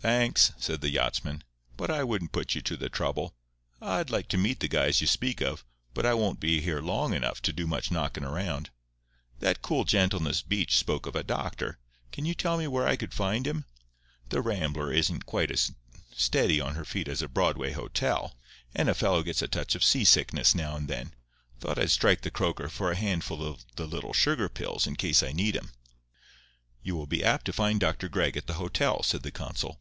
"Thanks," said the yachtsman, "but I wouldn't put you to the trouble. I'd like to meet the guys you speak of, but I won't be here long enough to do much knocking around. That cool gent on the beach spoke of a doctor; can you tell me where I could find him? The Rambler ain't quite as steady on her feet as a Broadway hotel; and a fellow gets a touch of seasickness now and then. Thought I'd strike the croaker for a handful of the little sugar pills, in case I need 'em." "You will be apt to find Dr. Gregg at the hotel," said the consul.